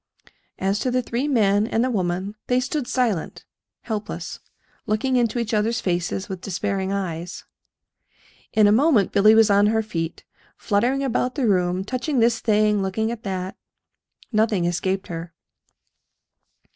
As to the three men and the woman, they stood silent, helpless, looking into each other's faces with despairing eyes. In a moment Billy was on her feet, fluttering about the room, touching this thing, looking at that. Nothing escaped her.